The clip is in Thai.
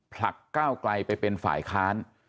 ผลักก้าวไกลไปเป็นฝ่ายค้าน